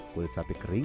kulit sapi kering